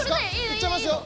行っちゃいますよ。